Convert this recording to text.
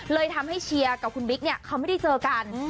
เลยทำให้เชียร์กับคุณบิ๊กเนี่ยเขาไม่ได้เจอกัน